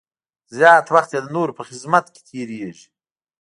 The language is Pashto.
زیات وخت یې د نورو په خدمت کې تېرېږي.